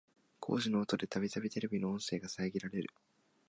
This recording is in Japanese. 工事の音でたびたびテレビの音声が遮られる